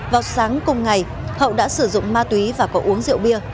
vào sáng cùng ngày hậu đã sử dụng ma túy và có uống rượu bia